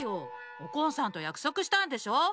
おこんさんとやくそくしたんでしょ？